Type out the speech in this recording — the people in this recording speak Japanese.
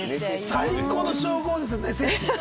最高の称号ですよ、寝せ師。